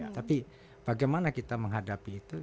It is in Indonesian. tapi bagaimana kita menghadapi itu